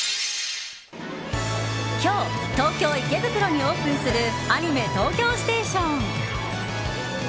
今日東京・池袋にオープンするアニメ東京ステーション。